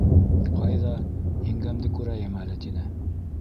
— Ҡайҙа, еңгәмде күрәйем әле! — тине.